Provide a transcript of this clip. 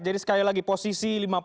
jadi sekali lagi posisi lima puluh tujuh